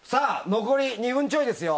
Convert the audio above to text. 残り２分ちょいですよ。